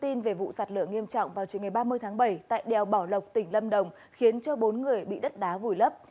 tin về vụ sạt lở nghiêm trọng vào trường ngày ba mươi tháng bảy tại đèo bảo lộc tỉnh lâm đồng khiến cho bốn người bị đất đá vùi lấp